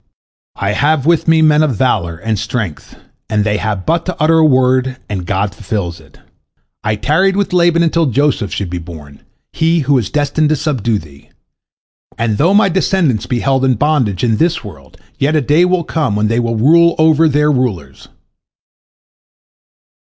I have with me men of valor and strength, they have but to utter a word, and God fulfils it. I tarried with Laban until Joseph should be born, he who is destined to subdue thee. And though my descendants be held in bondage in this world, yet a day will come when they will rule over their rulers."